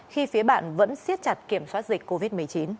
khi phía bạn vẫn siết chặt kiểm soát dịch covid một mươi chín